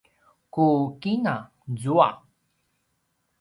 ku kina zua